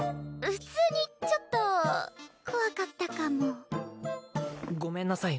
普通にちょっと怖かったかもごめんなさい